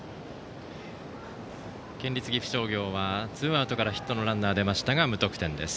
県立岐阜商業はツーアウトからヒットのランナーが出ましたが無得点です。